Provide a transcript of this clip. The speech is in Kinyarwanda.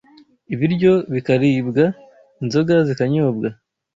ibiryo bikaribwa, inzoga zikanyobwa